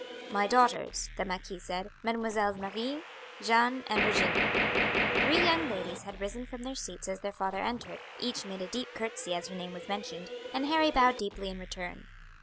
"My daughters," the marquis said, "Mesdemoiselles Marie, Jeanne, and Virginie." Three young ladies had risen from their seats as their father entered, each made a deep curtsy as her name was mentioned, and Harry bowed deeply in return.